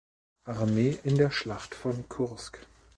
Armee in der Schlacht von Kursk.